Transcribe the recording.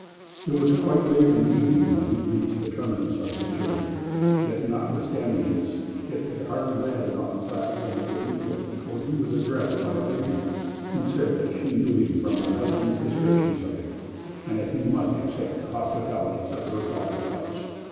It was quite late in the evening when he reached the terminus of his journey; yet, notwithstanding this, Kit had hardly landed on the platform of the dépôt, before he was addressed by a lady who said that she knew him from her husband's descriptions of him, and that he must accept the hospitalities of her father's house.